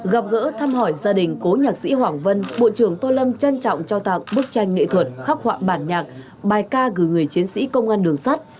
gặp gỡ thăm hỏi gia đình cố nhạc sĩ hoàng vân bộ trưởng tô lâm trân trọng trao tặng bức tranh nghệ thuật khắc họa bản nhạc bài ca gửi người chiến sĩ công an đường sắt